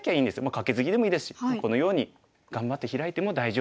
カケツギでもいいですしこのように頑張ってヒラいても大丈夫です。